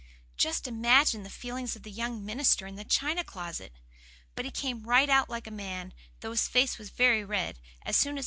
Just imagine the feelings of the young minister in the china closet! But he came right out like a man, though his face was very red, as soon as Mr. Scott had done praying.